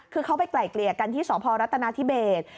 คือเขาไปไกล่เกลี่ยกันที่สพรัฐนาธิเบส